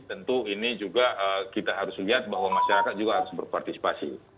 tentu ini juga kita harus lihat bahwa masyarakat juga harus berpartisipasi